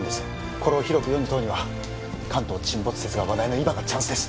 これを広く世に問うには関東沈没説が話題の今がチャンスです